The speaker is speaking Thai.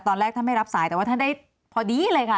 ตอนแรกท่านไม่รับสายแต่ว่าท่านได้พอดีเลยค่ะ